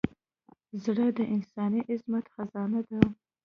زړه د انساني عظمت خزانه ده.